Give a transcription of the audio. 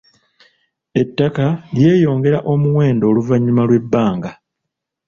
Ettaka lyeyongera omuwendo oluvannyuma lw'ebbanga.